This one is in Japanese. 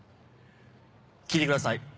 聴いてください